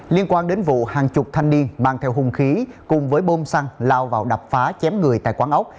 liên quan đến vụ hàng chục thanh niên mang theo hung khí cùng với bơm xăng lao vào đập phá chém người tại quán ốc